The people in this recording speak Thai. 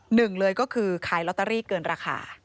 หนึ่งเลยก็คือขายลอตเตอรี่เกินราคา